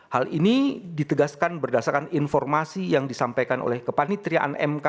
hal ini ditegaskan berdasarkan informasi yang disampaikan oleh kepanitriaan mk